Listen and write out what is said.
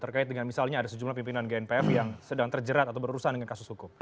terkait dengan misalnya ada sejumlah pimpinan gnpf yang sedang terjerat atau berurusan dengan kasus hukum